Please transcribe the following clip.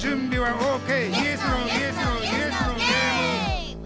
ＯＫ！